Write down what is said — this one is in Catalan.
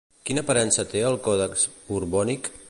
Quina aparença té al Còdex Borbònic?